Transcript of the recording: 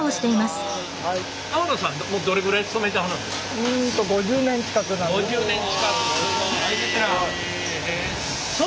うんと５０年近くなります。